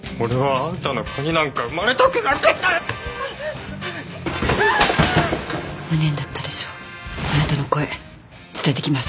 あなたの声伝えてきます。